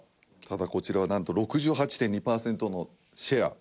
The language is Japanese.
ただこちらはなんと６８．２パーセントのシェア。